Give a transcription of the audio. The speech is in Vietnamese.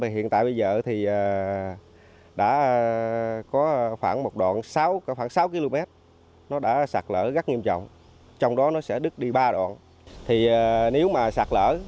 tỉnh sài gòn đã có khoảng sáu km sạt lỡ rất nghiêm trọng trong đó sẽ đứt đi ba đoạn nếu sạt lỡ